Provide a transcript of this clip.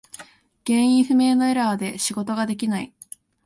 原因不明のエラーで仕事ができない。